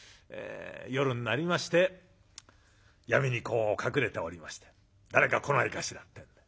夜になりまして闇にこう隠れておりまして誰か来ないかしらってんで。